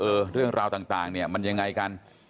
เออเรื่องราวต่างมันยังไงกัน